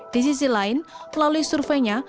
di sisi lain melalui surveinya